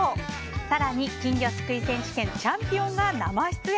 更に、金魚すくい選手権チャンピオンが生出演。